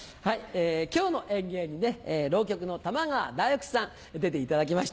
今日の演芸に浪曲の玉川太福さん出ていただきました。